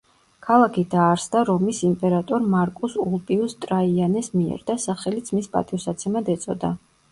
ქალაქი დაარსდა რომის იმპერატორ მარკუს ულპიუს ტრაიანეს მიერ და სახელიც მის პატივსაცემად ეწოდა.